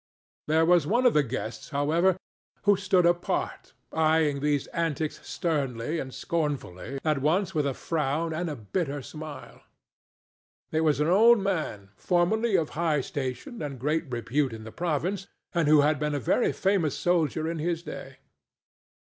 There was one of the guests, however, who stood apart, eying these antics sternly and scornfully at once with a frown and a bitter smile. It was an old man formerly of high station and great repute in the province, and who had been a very famous soldier in his day.